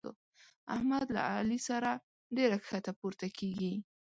احمد له علي سره ډېره کښته پورته کېږي.